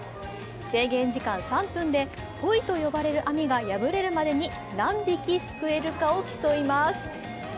制限時間３分でポイと呼ばれる網が破れるまでに何匹すけるかを競います。